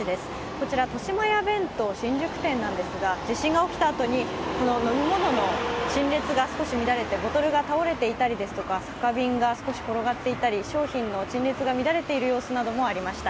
こちら、としまや弁当新宿店なんですが、地震が起きたあとに飲み物の陳列が少し壊れてボトルが倒れていたりですとか、酒瓶が倒れていたり、商品の陳列が乱れている様子もみられました。